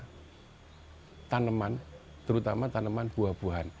dan juga tanaman terutama tanaman buah buahan